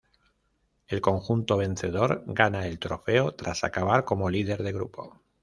El conjunto vencedor gana el trofeo tras acabar como líder de grupo.